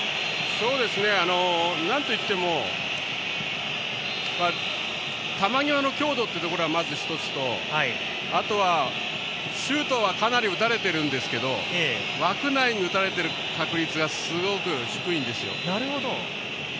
なんといっても球際の強度というところは一つとシュートはかなり打たれてるんですけど枠内に打たれてる確率がすごく低いんですよ。